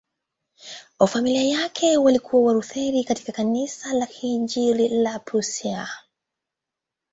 Familia yake walikuwa Walutheri katika Kanisa la Kiinjili la Prussia.